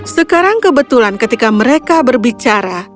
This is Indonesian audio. sekarang kebetulan ketika mereka berbicara